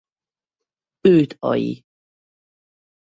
Őt Al.